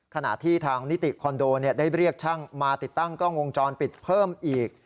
ขณะที่ทางนิติคอนโดได้เรียกช่างมาติดตั้งกล้องวงจรปิดเพิ่มอีก